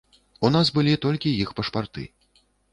У нас былі толькі іх пашпарты.